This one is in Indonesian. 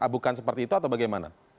bukan seperti itu atau bagaimana